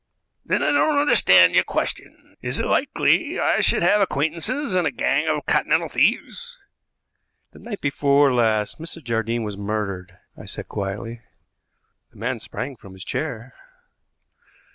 "Then I don't understand your question. Is it likely I should have acquaintances in a gang of Continental thieves?" "The night before last Mrs. Jardine was murdered," I said quietly. The man sprang from his chair.